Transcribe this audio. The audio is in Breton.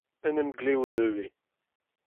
Un emglev nevez.